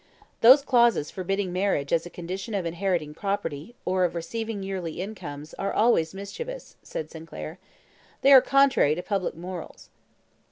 "Those clauses forbidding marriage as a condition of inheriting property, or of receiving yearly incomes, are always mischievous," said Sinclair; "they are contrary to public morals."